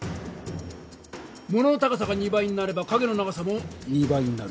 物の高さが２倍になれば影の長さも２倍になる。